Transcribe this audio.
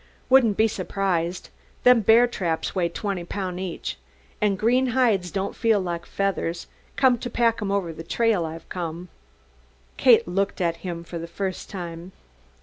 "Wouldn't be surprised. Them bear traps weigh twenty poun' each, and green hides don't feel like feathers, come to pack 'em over the trail I've come." Kate looked at him for the first time.